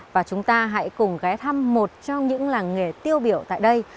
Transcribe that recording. và chúng ta hãy cùng ghé thăm một trong những làng nghề tiêu biểu tại đây